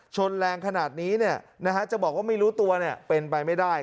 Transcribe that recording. ชนแรงขนาดนี้จะบอกว่าไม่รู้ตัวเป็นไปไม่ได้